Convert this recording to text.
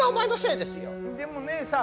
でもねえさん。